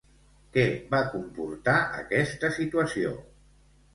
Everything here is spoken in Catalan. Què va comportar aquesta situació?